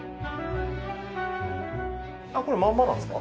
これまんまなんですか？